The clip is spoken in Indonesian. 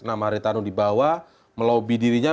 nama haritanu di bawah melobby dirinya